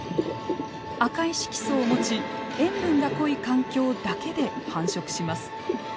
赤い色素を持ち塩分が濃い環境だけで繁殖します。